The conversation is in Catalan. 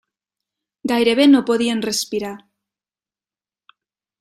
Gairebé no podien respirar!